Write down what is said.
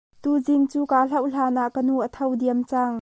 Tuzing cu kaa hlauh hlan ah kan nu a tho diam cang.